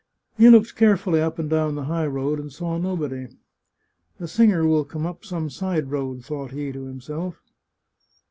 He looked carefully up and down the high road and saw nobody. " The singer will come up some side road," thought he to himself.